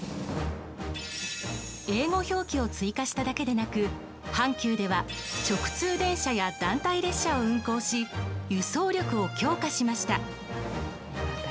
英語表記を追加しただけでなく阪急では直通電車や団体列車を運行し輸送力を強化しました。